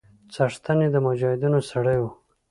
څښتن يې د مجاهيدنو سړى و.